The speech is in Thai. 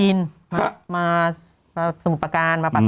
คือมาสมุทรประการมาปักภาพ